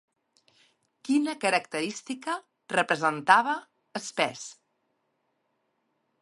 Quina característica representava Spes?